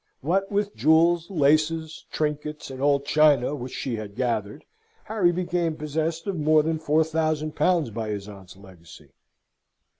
What with jewels, laces, trinkets, and old china which she had gathered Harry became possessed of more than four thousand pounds by his aunt's legacy.